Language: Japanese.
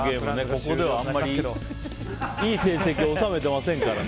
ここではあまりいい成績を収めていないですからね。